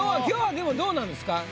今日はでもどうなんですか？